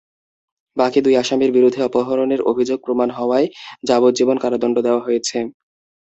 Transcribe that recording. বাকি দুই আসামির বিরুদ্ধে অপহরণের অভিযোগ প্রমাণ হওয়ায় যাবজ্জীবন কারাদণ্ড দেওয়া হয়েছে।